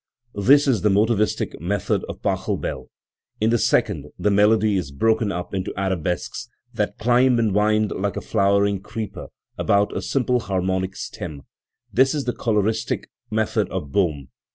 This is the "motivistic" method of PachelbeL In the second, the melody is broken up into arabesques, that climb and wind like a flowering creeper about a simple harmonic stem. This is the "coloristic" method of Bohm.